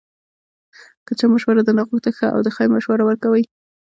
که چا مشوره درنه غوښته، ښه او د خیر مشوره ورکوئ